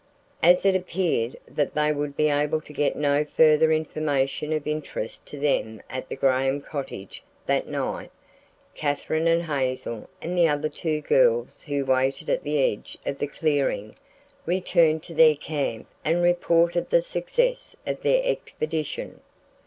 As it appeared that they would be able to get no further information of interest to them at the Graham cottage that night, Katherine and Hazel and the other two girls who waited at the edge of the clearing returned to their camp and reported the success of their expedition.